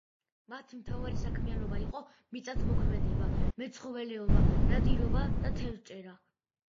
მათი მთავარი საქმიანობა იყო მიწათმოქმედება, მეცხოველეობა, ნადირობა, თევზჭერა.